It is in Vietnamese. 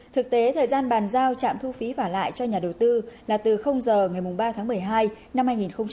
thời gian bàn giao trạm thu phí phả lại cho nhà đầu tư là từ h ngày ba tháng một mươi hai năm hai nghìn một mươi một